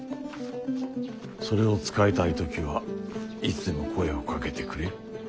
それを使いたい時はいつでも声をかけてくれ。